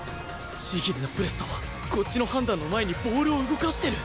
千切のプレスとこっちの判断の前にボールを動かしてる